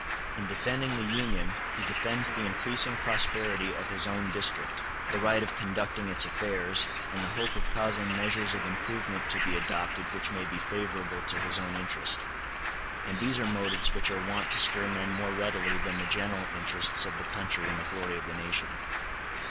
In defending the Union he defends the increasing prosperity of his own district, the right of conducting its affairs, and the hope of causing measures of improvement to be adopted which may be favorable to his own interest; and these are motives which are wont to stir men more readily than the general interests of the country and the glory of the nation.